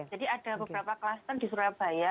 jadi ada beberapa klaster di surabaya